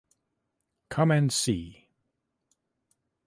Come and see.